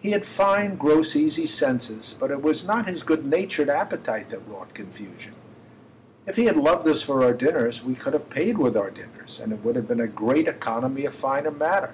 He had fine gross easy senses, but it was not his good natured appetite that wrought confusion. If he had loved us for our dinners we could have paid with our dinners, and it would have been a great economy of finer matter.